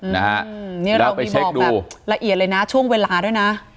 นะฮะแล้วไปเช็คดูละเอียดเลยนะช่วงเวลาด้วยนะ